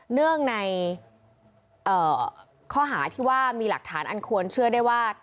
เนื่องในข้อหาที่ว่ามีหลักฐานอันควรเชื่อได้ว่า